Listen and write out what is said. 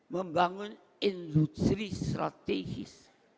membangun industri strategis